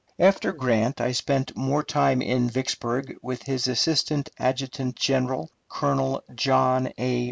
After Grant, I spent more time at Vicksburg with his assistant adjutant general, Colonel John A.